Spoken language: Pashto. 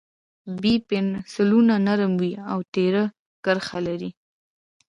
B پنسلونه نرم وي او تېره کرښه لري.